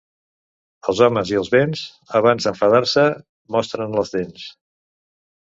Els homes i els vents, abans d'enfadar-se, mostren les dents.